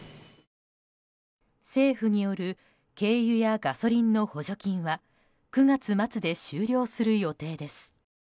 政府による軽油やガソリンの補助金は９月末で終了する予定です。